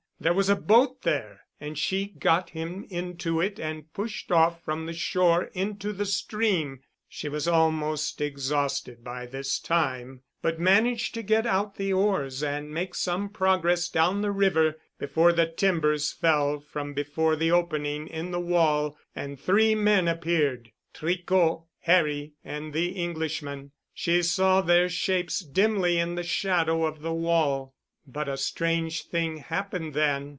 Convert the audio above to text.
There was a boat there and she got him into it and pushed off from the shore into the stream. She was almost exhausted by this time, but managed to get out the oars and make some progress down the river before the timbers fell from before the opening in the wall and three men appeared—Tricot, Harry and the Englishman. She saw their shapes dimly in the shadow of the wall. But a strange thing happened then.